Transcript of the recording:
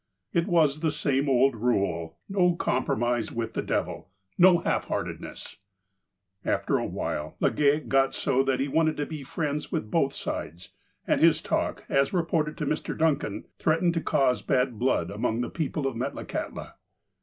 It was the same old rule — no compromise with the devil ; no half hearteduess. After a while. Legale got so that he wanted to be friends with both sides, and his talk, as reported to Mr. Duncan, threatened to cause bad blood among the people at Metlakahtla.